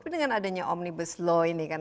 tapi dengan adanya omnibus law ini kan